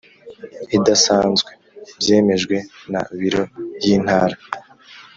idasanzwe byemejwe na Biro y Intara